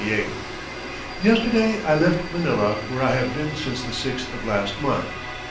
"Yesterday I left Manila, where I have been since the 6th of last month....